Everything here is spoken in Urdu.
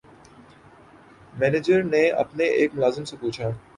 منیجر نے اپنے ایک ملازم سے پوچھا